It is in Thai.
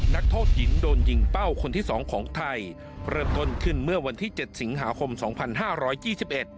นักโทษหญิงโดนยิงเป้าคนที่สองของไทยเริ่มต้นขึ้นเมื่อวันที่เจ็ดสิงหาคมสองพันห้าร้อยยี่สิบเอ็ด